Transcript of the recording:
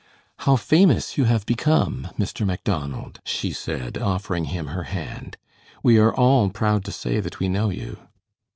"How famous you have become, Mr. Macdonald," she said, offering him her hand; "we are all proud to say that we know you."